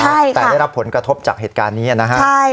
ใช่แต่ได้รับผลกระทบจากเหตุการณ์นี้นะฮะใช่